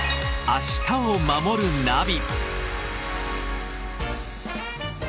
「明日をまもるナビ」